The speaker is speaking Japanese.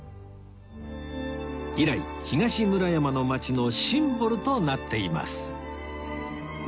以来東村山の街のシンボルとなっています